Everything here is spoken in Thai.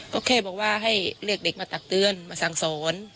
ก็แค่บอกว่าให้เรียกเด็กมาตักเตือนมาสั่งสอน